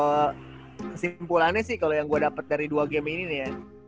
kesimpulannya sih kalau yang gue dapat dari dua game ini nih ya